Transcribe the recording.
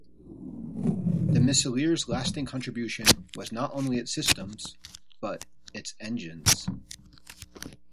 The Missileer's lasting contribution was not only its systems, but its engines.